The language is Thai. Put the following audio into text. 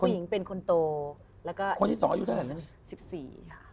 ผู้หญิงเป็นคนโตแล้วก็คนที่๒อายุเท่าไหร่แล้วนี่